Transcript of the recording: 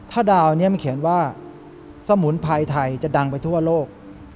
ถ้าดาวนี้มันเขียนว่าสมุนไพรไทยจะดังไปทั่วโลก